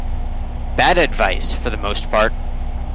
Bad advice for the most part.